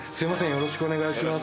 よろしくお願いします。